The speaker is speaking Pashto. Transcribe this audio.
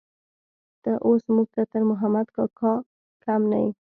ته اوس موږ ته تر محمد کاکا کم نه يې.